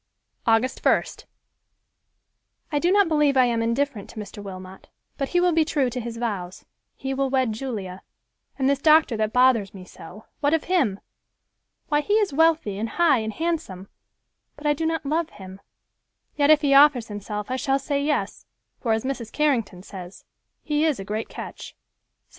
August 1st—"I do not believe I am indifferent to Mr. Wilmot, but he will be true to his vows—he will wed Julia; and this doctor that bothers me so, what of him? Why, he is wealthy, and high, and handsome—but I do not love him; yet if he offers himself I shall say yes, for, as Mrs. Carrington says, 'he is a great catch.'" Sept.